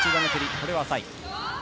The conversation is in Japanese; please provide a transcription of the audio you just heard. これは浅い。